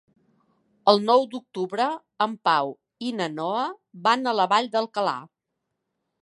El nou d'octubre en Pau i na Noa van a la Vall d'Alcalà.